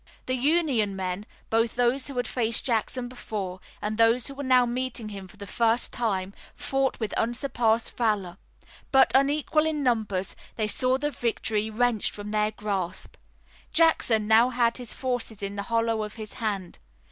The Union men, both those who had faced Jackson before and those who were now meeting him for the first time, fought with unsurpassed valor, but, unequal in numbers, they saw the victory wrenched from their grasp. Jackson now had his forces in the hollow of his hand.